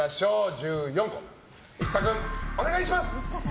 １４個、一颯君、お願いします！